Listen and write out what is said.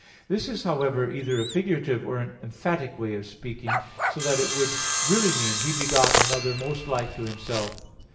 This is, however, either a figurative or an emphatic way of speaking, so that it would really mean, "He begot another most like to Himself."